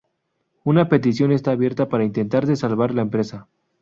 Una petición está abierta para intentar de salvar la empresa.